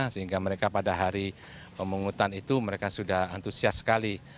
sehingga mereka pada hari pemungutan itu mereka sudah antusias sekali